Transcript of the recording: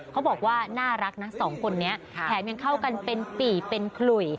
เขาบอกว่าน่ารักนะสองคนนี้แถมยังเข้ากันเป็นปี่เป็นขลุย